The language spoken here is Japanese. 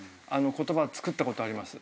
言葉つくったことあります。